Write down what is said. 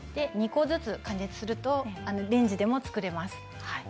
２個ずつ加熱するとレンジでも作れます。